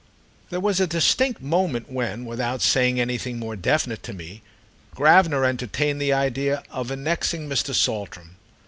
There was a distinct moment when, without saying anything more definite to me, Gravener entertained the idea of annexing Mr. Saltram.